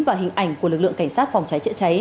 và hình ảnh của lực lượng cảnh sát phòng cháy chữa cháy